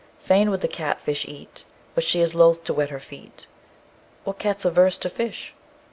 "Fain would the cat fish eat, But she is loth to wet her feet." "What cat's averse to fish?"